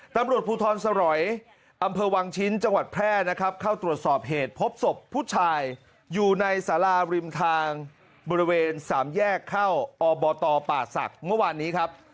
ตำรวจภูทรสร้อยอำเภอวังชิ้นจังหวัดแพร่นะครับเข้าตรวจสอบเหตุพบศพผู้ชายอยู่ในสาราริมทางบริเวณสามแยกเข้าอบตป่าศักดิ์เมื่อวานนี้ครับ